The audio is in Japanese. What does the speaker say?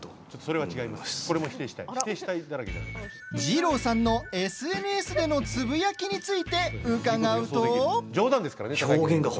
二朗さんのＳＮＳでのつぶやきについて伺うと。